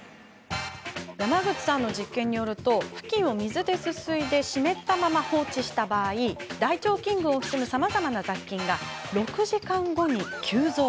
山口さんの実験によるとふきんを水ですすいで湿ったまま放置した場合大腸菌群を含むさまざまな雑菌が６時間後に急増。